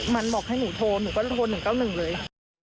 มันบอกให้หนูโทรหนูก็จะโทร๑๙๑เลย